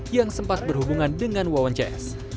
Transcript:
yang sempat berhubungan dengan wawon cs